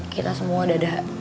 kita semua dada